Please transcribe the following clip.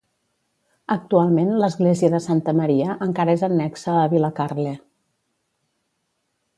Actualment l'església de Santa Maria encara és annexa a Vilacarle.